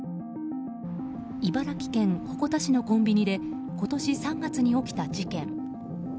茨城県鉾田市のコンビニで今年３月に起きた事件。